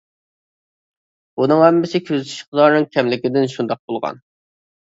بۇنىڭ ھەممىسى كۆزىتىش ئىقتىدارىنىڭ كەملىكىدىن شۇنداق بولغان.